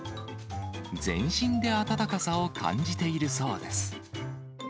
全身で暖かさを感じているそうです。